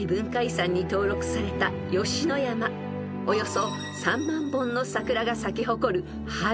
［およそ３万本の桜が咲き誇る春］